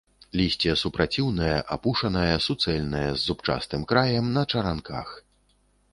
Лісце супраціўнае, апушанае, суцэльнае, з зубчастым краем, на чаранках.